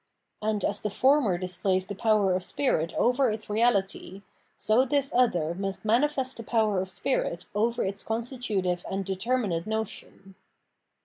And as the former displays the power of spirit over its reality, so this other must manifest the power of spirit over its constitutive and determinate notion.